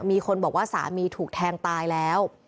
มีคนบอกว่าสามีถูกแทงตายแล้ว